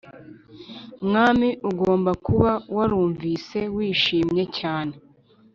mwami. ugomba kuba warumvise wishimye cyane,